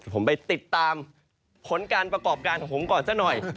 ผมไปติดตามผลการประกอบการของผมก่อนซะหน่อย